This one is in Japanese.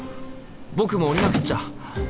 僕も降りなくっちゃ！